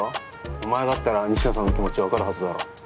お前だったら仁科さんの気持ち分かるはずだろ。